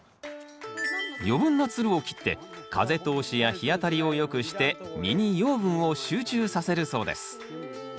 余分なつるを切って風通しや日当たりをよくして実に養分を集中させるそうです。